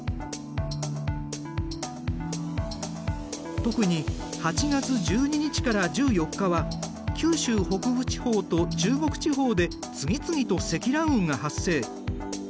特に８月１２日から１４日は九州北部地方と中国地方で次々と積乱雲が発生。